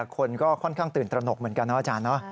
คนก็ค่อนข้างตื่นตระหนกเหมือนกันนะอาจารย์